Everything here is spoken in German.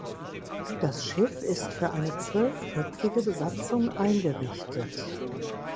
Das Schiff ist für eine zwölfköpfige Besatzung eingerichtet.